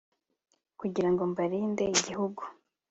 kugira ngo barinde igihugu